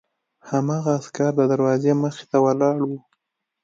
هماغه عسکر د دروازې مخې ته ولاړ و